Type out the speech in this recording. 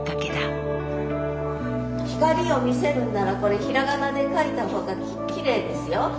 「ひかり」を見せるんならこれひらがなで書いた方がきれいですよ。